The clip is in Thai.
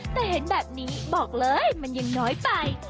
แต่เห็นแบบนี้บอกเลยมันยังน้อยไป